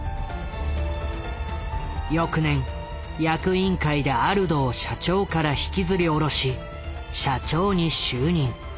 翌年役員会でアルドを社長から引きずりおろし社長に就任。